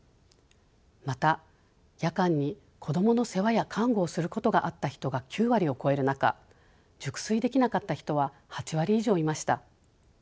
また夜間に子どもの世話や看護をすることがあった人が９割を超える中熟睡できなかった人は８割以上いました。